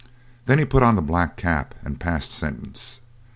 Then he put on the black cap and passed sentence.